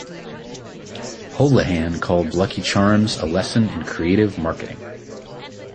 Holahan called Lucky Charms a lesson in creative marketing.